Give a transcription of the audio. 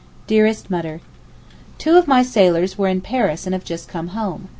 DEAREST MUTTER, Two of my sailors were in Paris and have just come home.